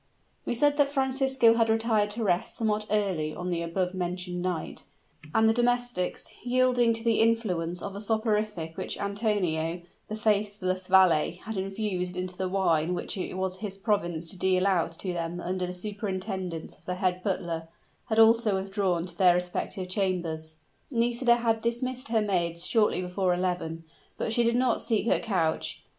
We said that Francisco had retired to rest somewhat early on the above mentioned night, and the domestics, yielding to the influence of a soporific which Antonio, the faithless valet, had infused into the wine which it was his province to deal out to them under the superintendence of the head butler, had also withdrawn to their respective chambers. Nisida had dismissed her maids shortly before eleven, but she did not seek her couch.